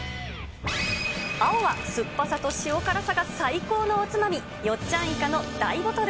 青は酸っぱさと塩辛さが最高のおつまみ、よっちゃんいかの大ボトル。